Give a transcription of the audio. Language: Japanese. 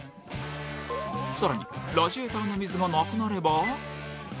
更に、ラジエーターの水がなくなれば。